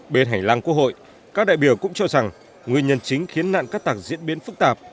bên hành lang quốc hội các đại biểu cũng cho rằng nguyên nhân chính khiến nạn cát tặc diễn biến phức tạp